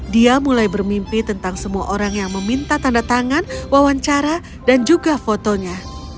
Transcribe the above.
dia mulai bermimpi tentang semua orang yang meminta tanda tangan wawancara dan juga fotonya